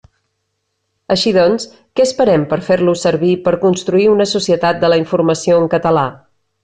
Així doncs, què esperem per fer-los servir per construir una societat de la informació en català?